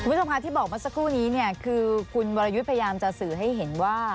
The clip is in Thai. วิทยาลัยที่บอกมาสักครู่นี้เนี่ยคือคุณวรรยุทธิ์พยายามจะสื่อให้เห็นว่า